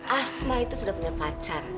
asma itu sudah punya pacar